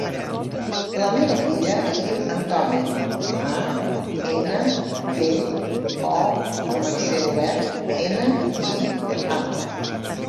La meva filla es diu Antònia: a, ena, te, o amb accent obert, ena, i, a.